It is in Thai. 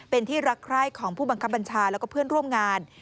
เป็นที่รักใคร่ของผู้บังคับบัญชาแล้วก็เพื่อนร่วมงาน